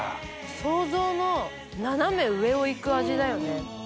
想像の斜め上をいく味だよね。